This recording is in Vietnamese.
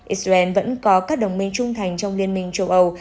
israel vẫn có các đồng minh trung thành trong liên minh châu âu